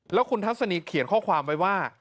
แล้วคุณทัศนีเขียนข้อความไว้ว่า